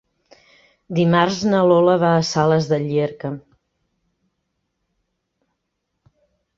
Dimarts na Lola va a Sales de Llierca.